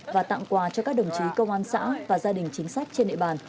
và tặng quà cho các đồng chí công an xã và gia đình chính sách trên địa bàn